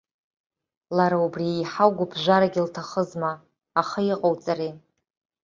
Лара убри еиҳау гәыԥжәарагьы лҭахызма, аха иҟоуҵари.